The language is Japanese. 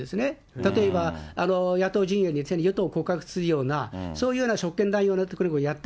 例えば、野党陣営に与党を告発するようなそういうような職権乱用になるようなことをやった。